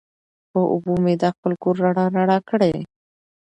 په اوبو مو دا خپل کور رڼا رڼا کړي